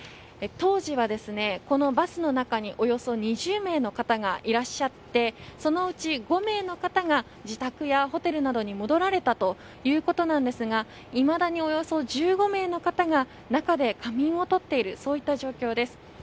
当時は、このバスの中におよそ２０名の方がいらっしゃってそのうち５名の方が自宅やホテルなどに戻られたということなんですがいまだにおよそ１５名の方が中で仮眠をとっている状況です。